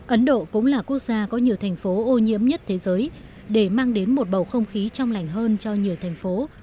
ấn độ cũng là quốc gia có nhiều thành phố ô nhiễm nhất thế giới để mang đến một bầu không khí trong lành hơn cho nhiều thành phố